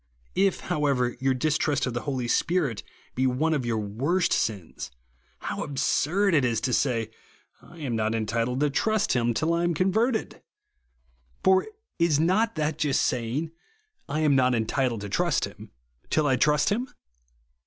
If, however, your distrust of the 'B'.olj Spirit be one of your worst sins ; how absurd it is to say, I am not entitled to trust him tiU I am con TRUTH OF THE GOSPEL. 89 verted ! For is not that just sa}ing\ I am not entitled to trust liim till I trust bim